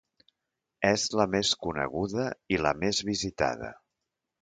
És la més coneguda i la més visitada.